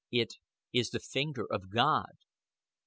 "_It is the finger of God.